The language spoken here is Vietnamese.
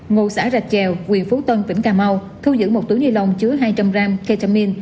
ngộ xã rạch trèo quyền phú tân tỉnh cà mau thu giữ một túi ni lông chứa hai trăm linh gram ketamine